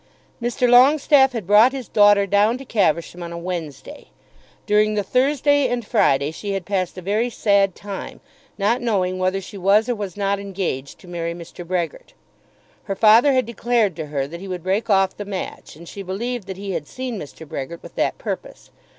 Mr. Longestaffe had brought his daughter down to Caversham on a Wednesday. During the Thursday and Friday she had passed a very sad time, not knowing whether she was or was not engaged to marry Mr. Brehgert. Her father had declared to her that he would break off the match, and she believed that he had seen Mr. Brehgert with that purpose.